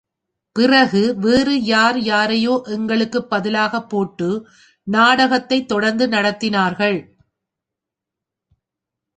பிறகு வேறு யார் யாரையோ எங்களுக்குப் பதிலாக போட்டு நாடகத்தை தொடர்ந்து நடத்தினார்கள்.